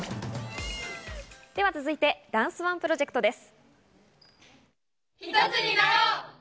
続いて、ダンスＯＮＥプロジェクトです。